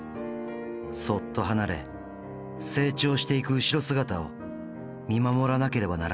そっと離れ成長していく後ろ姿を見守らなければならない。